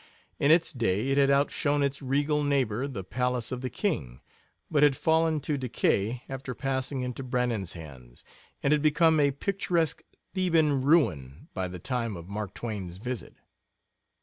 In its day it had outshone its regal neighbor, the palace of the king, but had fallen to decay after passing into Brannan's hands, and had become a picturesque Theban ruin by the time of Mark Twain's visit.